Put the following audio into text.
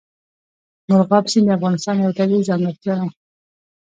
مورغاب سیند د افغانستان یوه طبیعي ځانګړتیا ده.